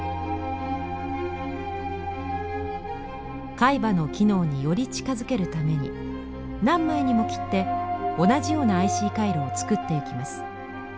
海馬の機能により近づけるために何枚にも切って同じようなＩＣ回路を作っていきます。